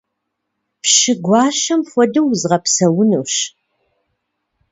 Пщы гуащэм хуэдэу узгъэпсэунущ.